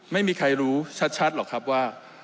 ไม่มีใครรู้ชัดหรอกครับว่า